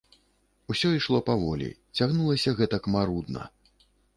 Усё ішло паволі, цягнулася гэтак марудна!